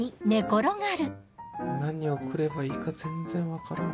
何送ればいいか全然分からん。